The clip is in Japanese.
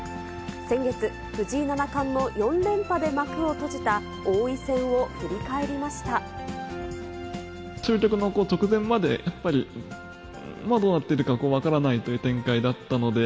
先月、藤井七冠の４連覇で幕を閉終局の直前まで、やっぱりどうなっているか分からないという展開だったので。